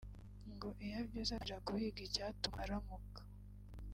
ngo iyabyutse atangira guhiga icyatuma aramuka